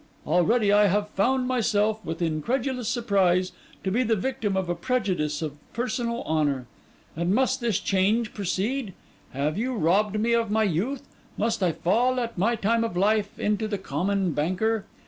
Already I have found myself, with incredulous surprise, to be the victim of a prejudice of personal honour. And must this change proceed? Have you robbed me of my youth? Must I fall, at my time of life, into the Common Banker?